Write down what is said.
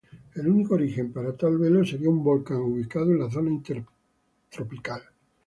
El único origen para tal velo sería un volcán ubicado en la zona intertropical.